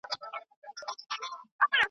چي پیدا دی یو پر بل باندي بلوسیږي .